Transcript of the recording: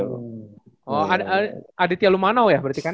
oh adit ya lumano ya berarti kan